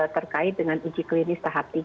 terkait dengan uji klinis tahap tiga